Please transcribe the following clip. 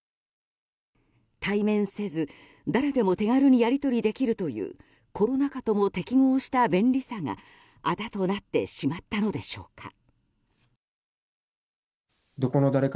対面せず、誰でも手軽にやり取りできるというコロナ禍とも適合した便利さがあだとなってしまったのでしょうか。